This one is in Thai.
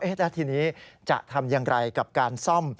แล้วทีนี้จะทำอย่างไรกับการซ่อม